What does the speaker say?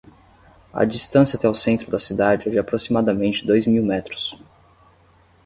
A distância até o centro da cidade é de aproximadamente dois mil metros.